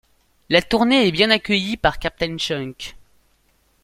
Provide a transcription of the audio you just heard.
La tournée est bien accueilli par Captain Chunk!